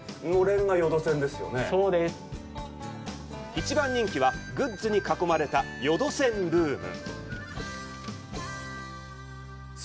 一番人気は、グッズに囲まれた「よどせんルーム」。